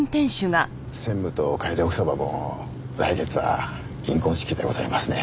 専務と楓奥様も来月は銀婚式でございますね。